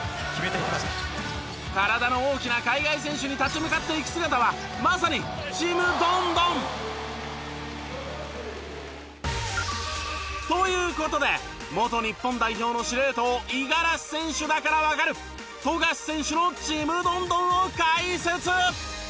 体の大きな海外選手に立ち向かっていく姿はまさにちむどんどん！という事で元日本代表の司令塔五十嵐選手だからわかる富樫選手のちむどんどんを解説！